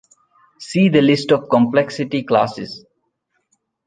"See the list of complexity classes"